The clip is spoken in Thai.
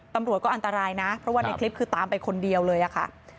ตำรวจก็อันตรายนะเพราะว่าในคลิปคือตามไปคนเดียวเลยอะค่ะ